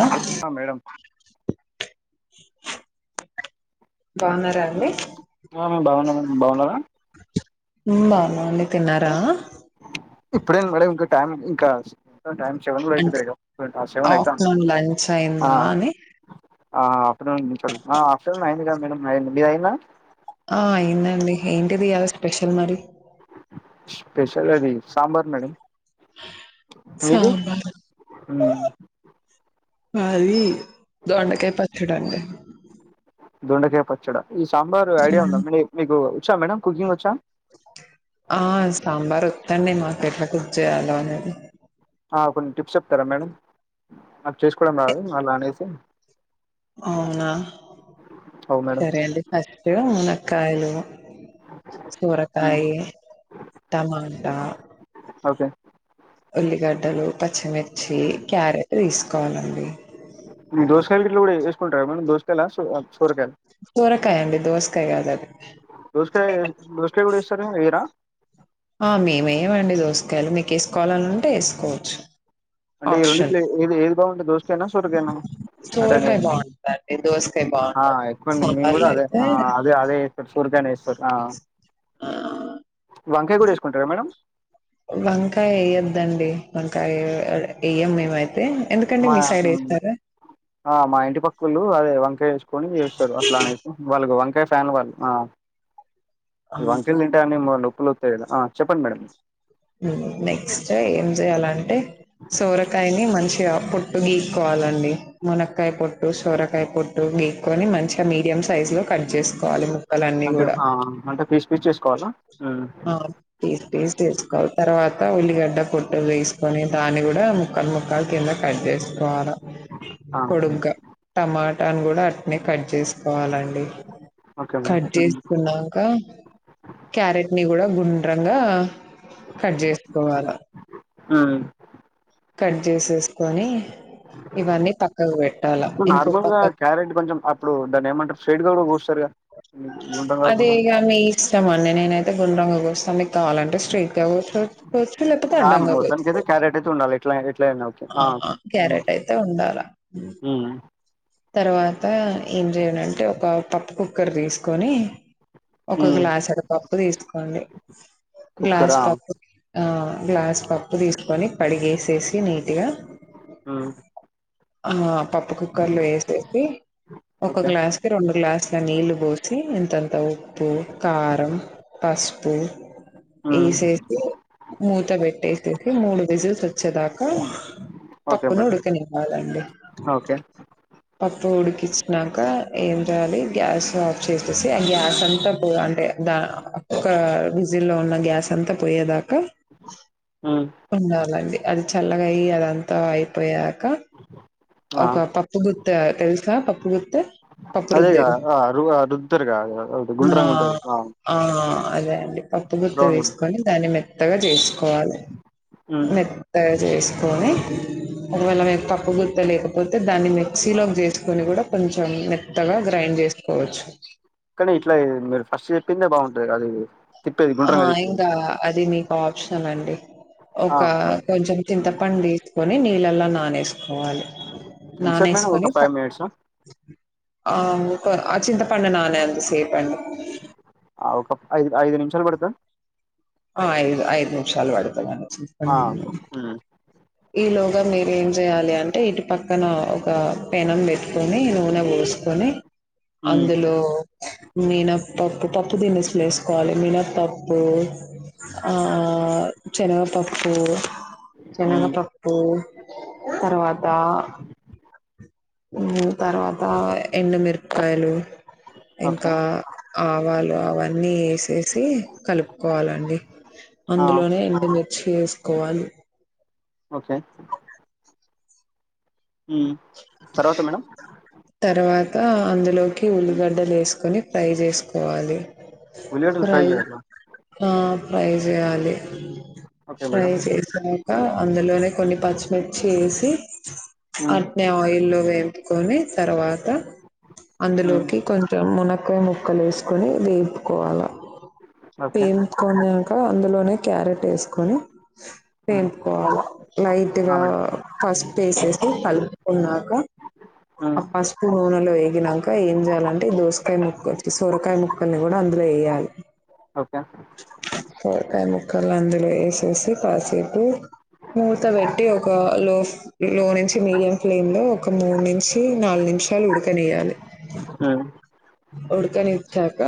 ఆ hello madam బాగున్నారా అండి బాగున్నా మేడం బాగున్నారా మ్ బాగున్నానండి తిన్నారా ఇప్పుడే మేడం ఇంకా టైం ఇంకా ఇంకా టైమ్ సెవెన్ కూడా అంటే అయితలేదు ఆ సెవెన్ అయితాంది ఆఫ్టర్నూన్ లంచ్ ఆ అయిందా అని ఆఫ్టర్నూన్ గురుంచి అడుగుతుంది ఆ ఆఫ్టర్నూన్ అయింది కదా మేడమ్ మీది అయిందా ఆ అయిందండి ఏంటిది ఇయ్యాలా స్పెషల్ మరి స్పెషల్ అది సాంబార్ మేడమ్ మీది సాంబార్ మాది దొండకాయపచ్చాడాండి దొండకాయ పచ్చడ ఈ సాంబార్ ఐడియా ఉందా మీకు వచ్చా మేడ కుకింగ్ వచ్చా ఆ సాంబార్ కానీ నేను వాటిని ఎట్లా కుక్ చేయాలా అనేది కొన్ని టిప్స్ చెప్తారా మేడం మాకు చేసుకోవడం రాదు అలా అనేసి అవునా అవు మేడం సరే అండి ఫస్ట్ మునకాయలు సొరకాయి టమాటా ఓకే ఉల్లిగడ్డలు పచ్చిమి ర్చి క్యారెట్ తీసుకోవాలండి [unintelligible] దోసకాయల, సొరకాయల సోరకాయ అండి దోసకాయ కాదు అది దోస్కాయ్ దోసకాయ కూడా ఎస్తారు ఎయ్యరా ఆ మేము ఎయ్యమండి దోసుకాయలు మీకు వేసుకోవాలని ఉంటే వేసుకోవచ్చు అంటే ఈ రెండింటిలో ఏది ఏది బావుంటే దోషకైనా సొరకాయినా అంటే సోరకాయ నేను బావుంటదండి. దోసకాయ ఆ బావుండదు. ఎక్కువండి మేము కూడా సాంబార్‌లో అదే అయితే అదే అదే [unintelligible] సొరకాయనే వేస్తాం ర్ ఆ ఆ వంకాయ కూడా ఏసుకుంటారా మేడం వంకాయ ఎయ్యొద్దండి వంకాయ ఎ ఎయ్యం మేముయితే ఎందుకండి మా మీ సైడ్ హ్మ్. వేస్తారా ఆ మా ఇంటి పకుళ్ళు అదే వంకాయ వేసుకొని చేస్తారు అట్లా అనేసి వాళ్ళు కు వంక కాయ్ ఫ్యాన్ వాళ్ళు ఆ అవును. వంకాయిల్ తింటే అన్ని నొప్పు ప్పులతాయి ఆ చెప్పండి మేడం నెక్సటే ఏం చెయాలంటే సోరకాయని మంచిగా పొట్టు గీక్కోవాలండి మునకాయి పొట్టు, సోరకాయ పొట్టు గీక్కొని మంచిగా మీడియం సైజ లో కట్ చేసుకోవాలి ముక్కలని అంటే కూడా ఆ అంటే పీస్ పీస్ చేసుకోవాలా మ్మ్ ఈ టెస్ట్ ఎ తర్వాత ఉల్లిగడ్డ పొట్టు తీసుకొని దాన్ని కూడా ముక్కలు ముక్కలు కింద కట్ చేసుకోవాలా ఆ పొడుగా టమాటాను కూడా అట్నే కట్ చేసుకోవాలండి ఓకే మేడం కట్ మ్మ్ చేసుకున్నాక క్యారెట్ ని కూడా గుండ్ర గా కట్ చేసుకోవాల మ్మ్ కట్ చేసేసుకొని ఇవన్నీ పక్కకు పెట్ నార్మల్ గా క్యారెట్ కొంచెం అప్పుడు దాన్ని ఏమంటారు స్టెట్ గా కూడా కొస్తారుగా అదే ఇగా మీ ఇష్టమండి నేనైతే గుడ్రంగా కొ సన్నగా కావాలంటే స్టెట్ గా కోసుకొ ఆ మొత్తంకి అయితే క్యారెట్ అయితే ఉండాలి ట్లా ఎట్లా అయినా ఆ ఓకే క్యారెట్ అయితే ఉండాల తర్వాత ఏం చేయలంటే ఒక పప్పు కుక్కర్ తీస్ కొని ఒక హ్మ్ గ్లాసాడు పప్పు తీసుకోండి గ్లాస్ కుక్కరా పప్పు ఆ గ్లాస్ పప్పు తీసుకొని కడిగేసేసి నీట్ గా హ్మ్ ఆ పప్పు కుక్కర్లో వేసేసి ఒక ఓకే గ్లాస్ కి రెండు గ్లాసుల నీళ్లు పోసి ఇంతంత ఉప్పు కారం పస్పు హ్మ్ వేసేసి మూత పెట్టేసేసి మూడు విజిల్స్ వచ్చేదాకా ఓకే పప్పును మేడం ఉడుకనివ్వాలండి. ఓకే పప్పు ఉడికిచ్చినాక ఏం చేయాలి గ్యాస్ ఆఫ్ చేసేసి ఆ గ్యాస్ అంతా పో అంటే దా ఒక విజిల్ లో ఉన్న గ్యాస్ అంతా పోయేదా క హ్మ్ ఉండాలండి. అది చల్లగా అయ్యి అదంతా అయిపోయాక ఆ ఒక పప్పు గుత్తె తెలుసా పప్పు గుత్తె అదేగా పప్పురుద్దేది ఆ రు ఆ! రుద్దుతారుగా అది ఆ గుండ్రంగా ఉంటది ఆ అ అదే అండి. పప్పు గుత్తె రౌండ్ గుం వేసుకొని దాన్ని మెత్తగా చేసుకోవాలె హ్మ్ మెత్తగా చేసుకొని ఒకవేళ మీకు పప్పు గుత్తి గుత్తె లేకపోతే దాన్ని మిక్సీలోకి వేస్కొని కూడా కొంచెం మెత్తగా గ్రైండ్ చేసుకోవచ్చు. ఇక్కడ ఇట్లా మీరు ఫస్ట్ చెప్పిందే బాగుంటది కదా ఇది ఆ ఇంకా అది మీకు ఆప్షనల్ అండి. ఆ ఒక ఓకే మేడం కొంచెం హ్మ్. తింతపండు వేసుకొని నీళ్ళల్లో నానేసుకోవాలి. ఎంతసేపు మేడం ఒక నానేస్కొని ప ఫైవ్ మినిట్సా ఆ ఇంక ఆ చింత పండు నానెంత సేపండి. ఆ ఒక ఐదు ఐదు నిమిషాలు పడుద్దా ఆ ఐదు ఐదు నిమిషాలు పడతదండి. ఆ ఉమ్ ఈ లోగా మీరు ఏం చేయాలి అంటే ఇటు పక్కన ఒక పెనం పెట్కొని నూనె పోస్కొని హ్మ్ అందులో మినపప్పు పప్పు దినుసులు వేసుకోవాలి మినపప్పు ఆ చనగపప్పు హ్మ్ చనగపప్పు తర్వాత ఉమ్ తర్వాత ఎండు మిర్ కాయలు ఓకే ఇంకా ఆవాలు అవన్నీ చేసి కలుపుకోవాలండి ఆ అందులోనే ఎండు మిర్చి వేసుకోవాలి. ఓకే ఉమ్ తర్వాత మేడం. త అందులోకి ఉల్లిగడ్డలు వేస్కొని ఫ్రై చేస్కోవాలి ఉల్లిగడ్డలు ఫ్రై చేయాలా ఆ ఫ్రై చెయ్యాలి. ఓకే ఫ్రై మేడం చేసాక అందులోనే కొన్ని పచ్చిమిర్చి వేసి హ్మ్. అట్నే ఆయిల్లో వేంపుకొని తర్వాత హ్మ్. అందులోకి కొంచెం మునక్ మునక్కాయ్ ముక్కలు వేసుకొని వేపుకోవాల. ఓకే. పేంపుకొనాక అందులోనే క్యారెట్ వేసుకొని హ్మ్. వేంపుకోవాల లైట్ ఆ! గా మేడం. పసుపు వేసేసి కలుపుకున్నాక. హ్మ్. ఆ పసుపు నూనెలో వేగినాక ఏం చేయాలంటే దోసకాయ ముక్ వచ్చి సొరకాయ ముక్ కూడా అందులో వేయ్యాలి. ఓకే. కూర్కాయ ముక్కలు అందులో వేసి వేసి కాసేపు మూత పెట్టి ఒక లోఫ్ లో నుంచి మీడియం ఫ్లేమ్ లో ఒక మూడు నుంచి నాలుగు నుం నిమిషాల్ ఉడకనియ్యాలి. మ్ ఉడకనిచ్చాక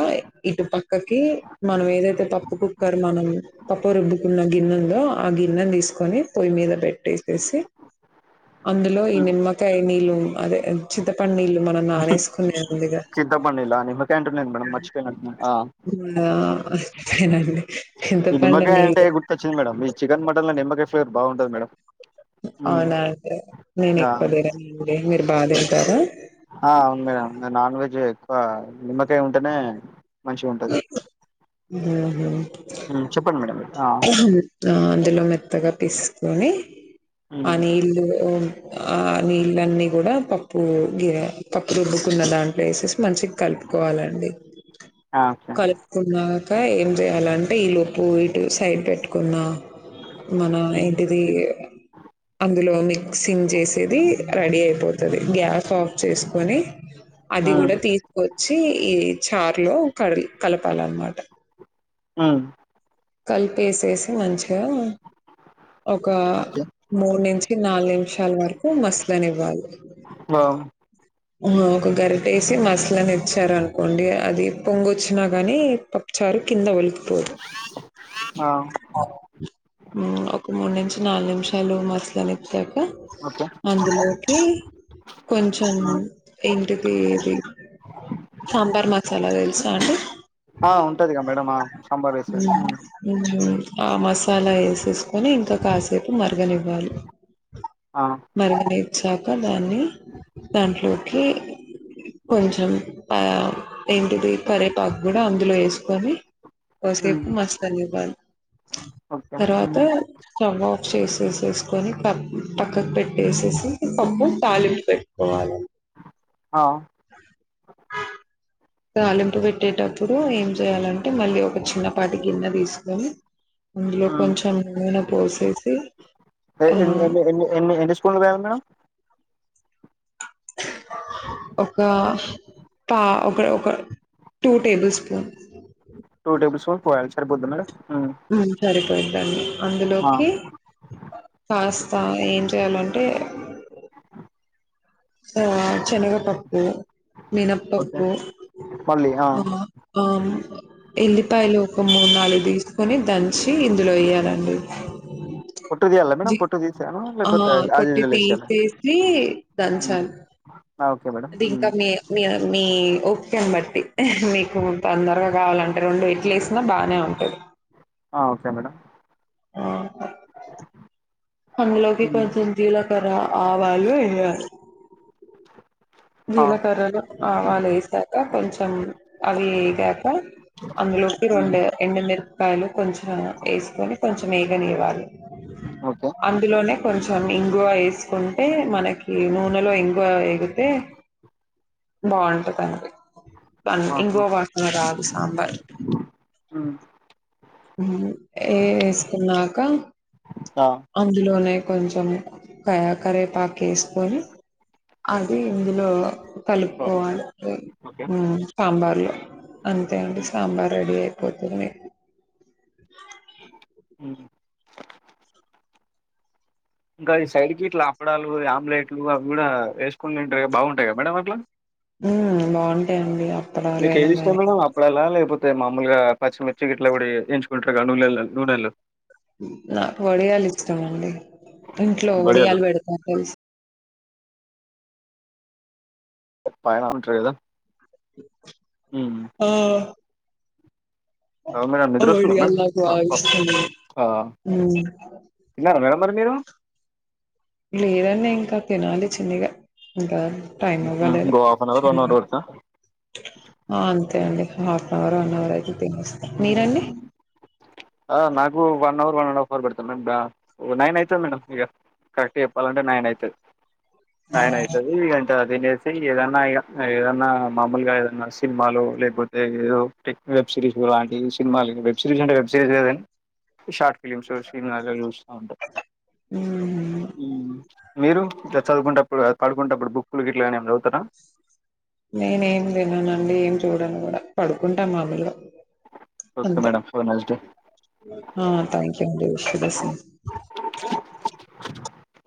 ఇటు పక్కకి మనం ఏదైతే పప్పు కుక్కర్ మనం పప్పు రుబ్బుకున్న గిన్నెందో ఆ గిన్నెన్ దీస్కొని పొయ్యి మీద పెట్టేసేసి అందులో ఈ హ్మ్. నిమ్మకాయ నీళ్ళు అదే చింతపండ్ నీళ్ళు మనం నానేసుకునే ఉందిగా చింత పండు నీళ్లా నిమ్మకాయ్ అంటున్నారు మేడం మర్చ్ పోయినట్ నిన్నా అ ఈ నిమ్మకాయ అంటే గుర్తొచ్చింది. మేడంమ్ మీ చికన్ మటన్ లో నిమ్మకాయ ఫ్లేవర్ బాగుంటది. మేడం హ్మ్. అవునా అండి, నేను ఆ! ఎక్కువ తిన్నను, అండి మీరు బా తింటార. ఆ అవును మేడం, నేను నాన్ వెజ్ ఎ క్కువ నిమ్మకాయ ఉంటేనే, మంచి ఉంటది. ఆ! ఉహు అ లో మెత్తగా పిసుకోని, ఆ హ్మ్. నీళ్ళు అ నీళ్ళు అన్నీ కూడా పప్పు గిర పప్పు, రుబ్బుకున్న దాంట్లో ఎసేసి, మంచిగా కలుపుకోవాలండి. ఆ! ఓకే. కలుపుకున్నాక, ఏం చేయాలంటే, ఈ లోపు ఇటు సైడ్ పెట్టుకున్నా. మన హ్మ్. ఏంటిది. అందులో మిక్సింగ్ చేసేది. రెడీ అయిపోతది. గ్యాస్ ఆఫ్ చేసుకొని, అది హ్మ్. కూడా తీసుకొచ్చి ఈ చార్ లో కడి కలపాలన్నమాట అ కలిపేసేసి మంచిగా. ఒక ఓకే. మూడు నుంచి నాలుగు నిమిషాల వరకు మసలనివ్వాలి. ఆ! హలో ఒక గరిటేసి, మసలనిచ్చారు అనుకోండి, అది పొంగొచ్చినా గాని పప్పు చార్ చార్ కింద ఒలికిపోదు. ఆ! మ్ ఒక్ మూడు నుంచి, నాలుగు నిమిషాలు మసలనిచ్చాక, ఓకే. అందులోకి కొంచెం హ్మ్. ఇంటికెయ్యిర్రి సాంబార్ మసాలా తెలుసా అండి. సాబర్ ఎసెసి మ్ ఆ మసాలా ఎసేసుకొని, ఇంకా కాసేపు మరగలివ్వాలి. ఆ! మరిగినిచ్చాకా, దాన్ని దాంట్లో కి కొంచెం ఆ ఏంటిది కరివేపాకు గూడా, అందులో ఎసుకొని హ్మ్. కోసేపు మస్ ఇవన్ ఓకే. తరువాత హ్మ్. స్టవ్ ఆఫ్ చేసేసేసుకొని, పక్కకు పెట్టేసేసి పప్పు తాలింపు పెట్టుకోవాలి. హలో ఆ ఆ తాలింపు పెట్టేటప్పుడు, ఏం చేయాలంటే మళ్ళీ, ఒక చిన్నపాటి గిన్నె తీసుకొని. అందులో కొంచెం నూనె పోసేసి ఆ ఎన్ని ఎ ఎన్ని ఎన్ని స్ప్ల్ ల్ వేయాలి. మేడం ఒకా పా ఒక ఒక టూ టేబుల్ స్పూన్ సరిపోదా మేడం. ఉమ్, మ్ సరిపోయిదండి. ఆ అందులోకి కాస్త, ఏం చేయాలంటే. ఆ చెనగపప్పు, ఓకే మినపప్పు ఆ ఆ ఎల్లిపాయ లో ఒ ఒక మూడు, నాలుగు తీసుకొ కొని దంచి ఇందులో వేయాలండి. పొట్టు తీయాలా మేడం విట్ పొట్టు తీసేయాలా అ లేకపోతే యాజ్ పొట్టు యూజువల్ వేసేయాలా తీసెసి ఉమ్, దంచాలి. ఆ ఓకే మేడం అది ఇంకా ఉమ్, మీ మీ మీ ఓపికని బట్టి మీకు తొందరగా కావాలంటే రెండు, ఇట్లఎసినా బాగానే ఉంటది. ఆ ఓకే మేడం. ఆ అందులోకి ఉమ్, కొంచెం జీలకర్ర, ఆవాలు ఎయ్యాలి. ఆ జీలకర్రలు ఆవాలు వేసాక కొంచెం అవి వేగాక అందులోకి ఉమ్, రెండు ఎండుమిరపకాయలు కొంచెం వేసుకొని కొంచెం వే వారు ఓకే అందులోనే కొంచెం ఇంగువ వేసుకుంటే మనకి నూనెలో ఇంగువ ఎగితే బాగుంటుదండి పన్ ఆహా, ఇంకోవాసన రాదు సాంబారు ఉమ్, హుమ్ ఏ ఏ వేసుకున్నాక ఆ అల్మదల్నే కొంచెం కరవేపాకు వేసుకొని అది ఇందులో ఓ- కలుపుకోవాల ఓకే సాంబార్ లో అంతే అండి ఉమ్, సాంబార్ రెడీ అయి పోతు అ ఇంకా సైడ్ క ఇట్లా అప్పుడాలు ఆమ్లెట్లు అవి కూడా వేసుకునింటారు బాగుంటాయి కదా మేడ అట్లా ఉమ్ బాగుంటాయండి మీకు ఏది ఇష్టం మేడం అప్పుడ అలా లేకపోతే అయితే మామూలుగా పచ్చిమిర్చి గట్లా పడి ఎంచుకుంటారు కద నూనెలు నూనెలు నాకు వడియాలు ఇష్టమండి ఇంట్లో వడియాలు పెడతా తెలుసు పన ఉంటదా ఆ మేడ నిద్రనా మే ఒడియాలు నాకు బాగా ఇష్టం మేడ మరి మీరు లేదన్న ఇంకా తినాలి చిన్నగా ఇంకా టైమ్ ఉహు. అవ్వలేదు ఇంకో half an hour one hour పడతా ఆ అంతే అండి half an hour one hour అయితే తినేస్తారు మీరండి ఆ నాకు వన్ ఫర్ బడతు మ బ నైన్ అవుతుతే మ కరెక్ట్ చెప్పాలంటే నైన్ అయితది నైన్ అయితది అదినేసి ఏదన్నా ఇక ఏదన్నా మామూలుగా ఏదన్నా సినిమాలు లేకపోతే ఏదో వెబ్ సిరీస్ లాంటివి సినిమాలు వెబ్ సిరీస్ అంటే వెబ్ సిరీస్ లేదని షార్ట్ ఫిలిమ్స్ చూస్తా ఉంటారు మ్మ్ మీరు చదువుకుంటప్పుడు కాదు పడుకుంటప్పుడు బుక్లు గ ఇట్లాని ఏ చదువుతారా నేనేం తిన్నానండి ఏం చూడాను కూడా పడుకుంటాం మామలు ఓకే మేడం ఫన్ అే తథ్యాంక్ యూ అ విష దస్